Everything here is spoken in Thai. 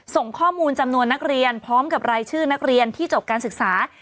ส่งข้อมูลจำนวนนักเรียนพร้อมกับรายชื่อนักเรียนที่จบการศึกษา